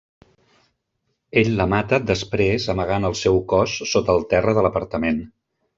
Ell la mata després amagant el seu cos sota el terra de l'apartament.